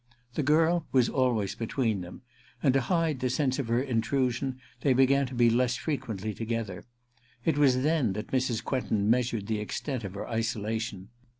The girl was always between them ; and to hide the sense of her intrusion they began to be less frequently together. It was then that Mrs. Quentin measured the extent of her isolation.